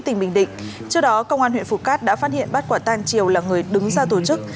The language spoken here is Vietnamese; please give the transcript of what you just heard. tỉnh bình định trước đó công an huyện phú cát đã phát hiện bắt quả tan triều là người đứng ra tổ chức